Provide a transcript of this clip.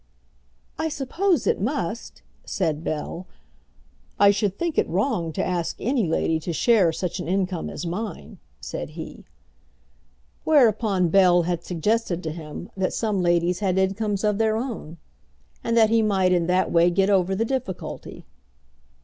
"I suppose it must," said Bell. "I should think it wrong to ask any lady to share such an income as mine," said he. Whereupon Bell had suggested to him that some ladies had incomes of their own, and that he might in that way get over the difficulty.